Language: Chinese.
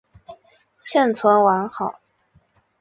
现存完好。